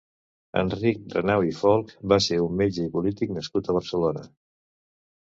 Enric Renau i Folch va ser un metge i polític nascut a Barcelona.